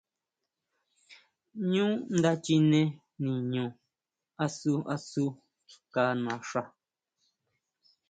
ʼÑú nda chine niño asu asu ka naxa.